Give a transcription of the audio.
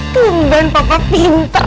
tundan papa pinter